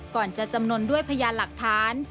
ก่อนจะจำนวนด้วยพยานหลักฐาน